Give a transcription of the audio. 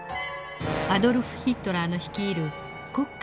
アドルフ・ヒトラーの率いる国家